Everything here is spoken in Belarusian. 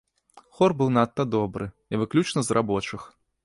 Хор быў надта добры, і выключна з рабочых.